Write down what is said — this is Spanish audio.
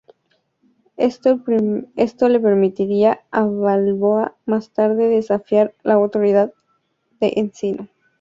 Esto le permitiría a Balboa más tarde desafiar la autoridad de Enciso.